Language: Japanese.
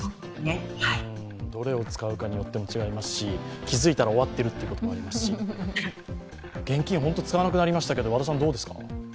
どれを使うかによっても違いますし気づいたら終わっているということもありますし、現金本当に使わなくなりましたけど、どうですか？